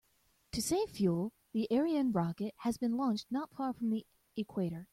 To save fuel, the Ariane rocket has been launched not far from the equator.